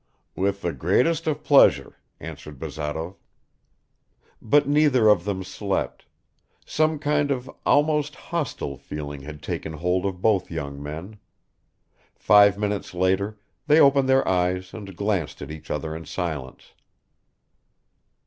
"With the greatest of pleasure," answered Bazarov. But neither of them slept. Some kind of almost hostile feeling had taken hold of both young men. Five minutes later, they opened their eyes and glanced at each other in silence.